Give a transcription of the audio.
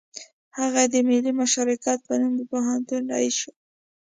هغه د ملي مشارکت په نوم د پوهنتون رییس شو